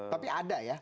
tapi ada ya